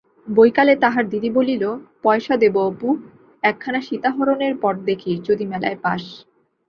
বৈকালে তাহার দিদি বলিল, পয়সা দেবো অপু, একখানা সীতাহরণের পট দেখিস যদি মেলায় পাস?